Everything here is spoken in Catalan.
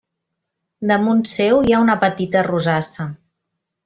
Damunt seu hi ha una petita rosassa.